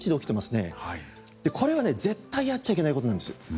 これはね絶対やっちゃいけないことなんですよ。